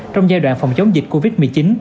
trong giai đoạn phòng chống dịch covid một mươi chín